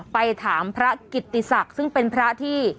ไปถามพระกิตติศักดิ์ซึ่งเป็นพระที่